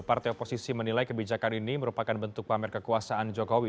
partai oposisi menilai kebijakan ini merupakan bentuk pamer kekuasaan jokowi